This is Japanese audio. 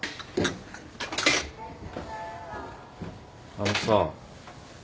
あのさ。